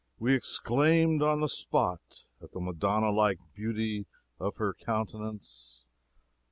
We exclaimed on the spot at the Madonna like beauty of her countenance.